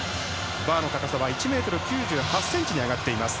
バーの高さは１ｍ９８ｃｍに上がっています。